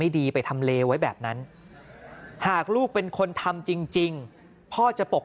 ดีไปทำเลไว้แบบนั้นหากลูกเป็นคนทำจริงพ่อจะปก